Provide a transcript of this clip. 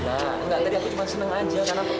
enggak drei aku cuma seneng aja